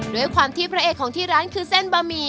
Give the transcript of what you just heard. ด้วยความที่พระเอกของที่ร้านคือเส้นบะหมี่